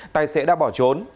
tài xế đã bỏ trốn